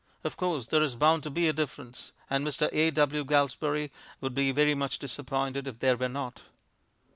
Of course there is bound to be a difference, and Mr. A. W. Galsbarrie would be very much disappointed if there were not.